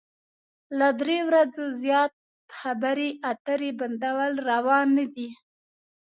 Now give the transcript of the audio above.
له درې ورځو زيات خبرې اترې بندول روا نه ده.